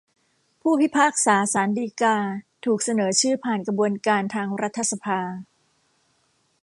ผู้พิพากษาศาลฎีกาถูกเสนอชื่อผ่านกระบวนการทางรัฐสภา